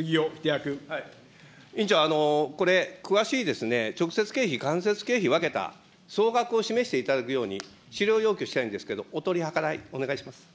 委員長、これ、詳しい直接経費、間接経費、分けた総額を示していただくように、資料要求したいんですけれども、お取り計らいお願いします。